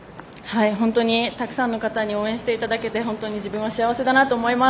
本当にたくさんの方に応援していただけて自分は幸せだなと思います。